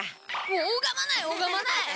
おがまないおがまない！